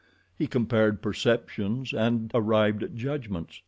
He compared perceptions and arrived at judgments.